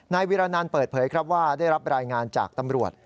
วิรานันเปิดเผยครับว่าได้รับรายงานจากตำรวจ